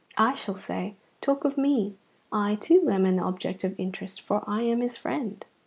I shall say, 'Talk of me; I, too, am an object of interest, for I am his friend.'"